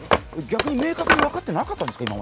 逆に、今まで明確に分かってなかったんですか？